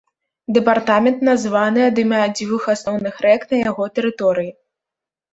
Дэпартамент названы ад імя дзвюх асноўных рэк на яго тэрыторыі.